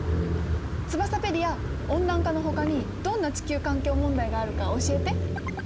ツバサペディア温暖化のほかにどんな地球環境問題があるか教えて。